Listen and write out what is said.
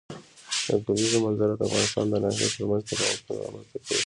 د کلیزو منظره د افغانستان د ناحیو ترمنځ تفاوتونه رامنځ ته کوي.